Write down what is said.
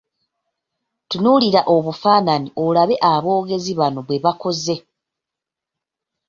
Tunuulira obufaananyi olabe aboogezi bano bwe bakoze.